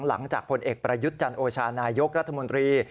หลังจากผลเอกประยุทธ์จันโอชานายกรัฐมนตรี